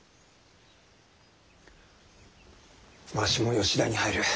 わしも吉田に入る。